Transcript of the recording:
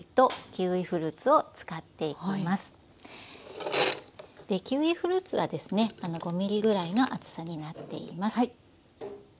キウイフルーツはですね５ｍｍぐらいの厚さになっています。